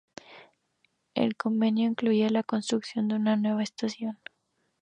El Convenio incluía la construcción de una nueva estación.